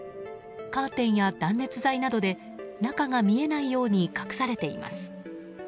カーテンや断熱材などで中が見えないように隠されています。